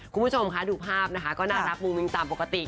คุณผู้ชมคะดูภาพนะคะก็น่ารักมุ้งมิ้งตามปกติ